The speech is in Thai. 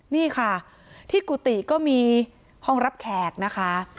นี่ค่ะที่กุฏิก็มีห้องรับแขกนะคะ